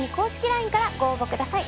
ＬＩＮＥからご応募ください。